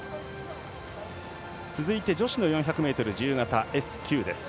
続いて女子の４００ｍ自由形Ｓ９です。